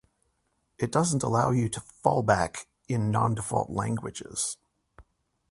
it doesn't allow you to fallback in non-default languages